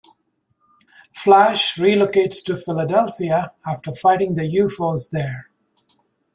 Flash relocates to Philadelphia after fighting the U-Foes there.